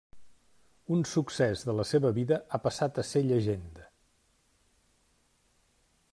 Un succés de la seva vida ha passat a ser llegenda.